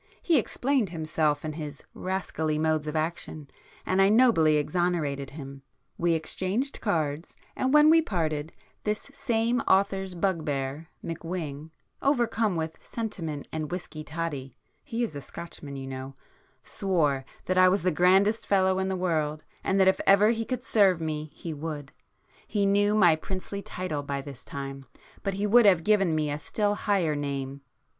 He explained himself and his rascally modes of action, and I nobly exonerated him,—we exchanged cards,—and when we parted, this same author's bug bear McWhing, overcome with sentiment and whisky toddy (he is a Scotchman you know) swore that I was the grandest fellow in the world, and that if ever he could serve me he would. He knew my princely title by this time, but he would have given me a still higher name.